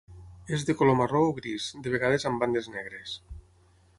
És de color marró o gris, de vegades amb bandes negres.